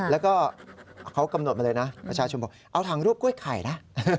แล้วก็เขากำหนดมาเลยนะประชาชนบอกเอาถังรวบกล้วยไข่นะ